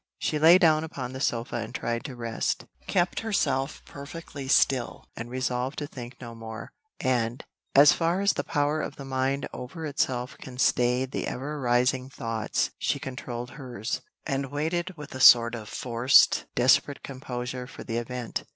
She lay down upon the sofa and tried to rest, kept herself perfectly still, and resolved to think no more; and, as far as the power of the mind over itself can stay the ever rising thoughts, she controlled hers, and waited with a sort of forced, desperate composure for the event.